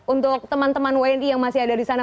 untuk teman teman wni yang masih ada di sana